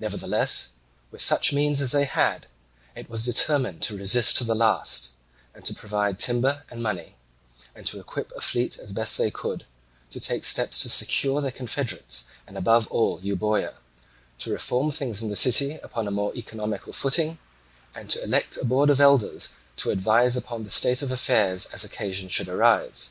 Nevertheless, with such means as they had, it was determined to resist to the last, and to provide timber and money, and to equip a fleet as they best could, to take steps to secure their confederates and above all Euboea, to reform things in the city upon a more economical footing, and to elect a board of elders to advise upon the state of affairs as occasion should arise.